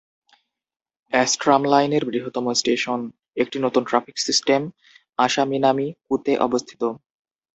অ্যাস্ট্রামলাইনের বৃহত্তম স্টেশন, একটি নতুন ট্রাফিক সিস্টেম, আসামিনামি-কুতে অবস্থিত।